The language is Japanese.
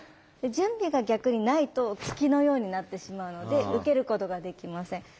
準備が逆にないと突きのようになってしまうので受けることができません。